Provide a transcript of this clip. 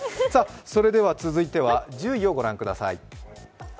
続いては、１０位をご覧ください。